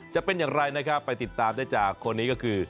จะเป็นอย่างไรนะครับไปติดตามได้จากคนนี้ก็คือ